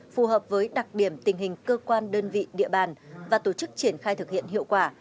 phù hợp với đặc điểm tình hình cơ quan đơn vị địa bàn và tổ chức triển khai thực hiện hiệu quả